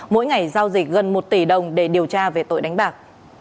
mỗi ngày giao dịch gần một tỷ đồng để điều tra về tội đánh bạc